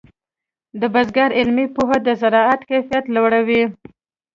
د بزګر علمي پوهه د زراعت کیفیت لوړوي.